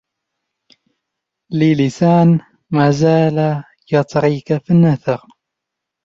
لي لسان ما زال يطريك في النثـر